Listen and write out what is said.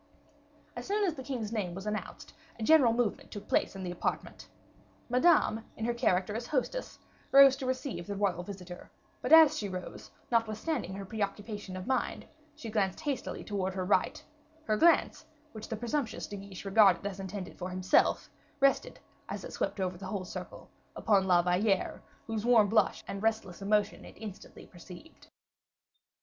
As soon as the king's name was announced a general movement took place in the apartment. Madame, in her character as hostess, rose to receive the royal visitor; but as she rose, notwithstanding her preoccupation of mind, she glanced hastily towards her right; her glance, which the presumptuous De Guiche regarded as intended for himself, rested, as it swept over the whole circle, upon La Valliere, whose warm blush and restless emotion it instantly perceived.